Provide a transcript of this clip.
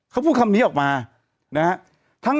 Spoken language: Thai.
เขาพูดคำนี้ออกมานะฮะ